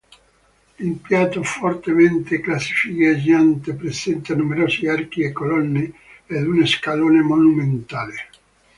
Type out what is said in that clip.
L'impianto fortemente classicheggiante presenta numerosi archi e colonne ed uno scalone monumentale.